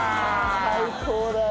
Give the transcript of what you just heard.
最高だよ！